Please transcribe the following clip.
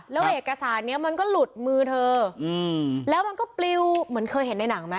แล้วเอกสารนี้มันก็หลุดมือเธอแล้วมันก็ปลิวเหมือนเคยเห็นในหนังไหม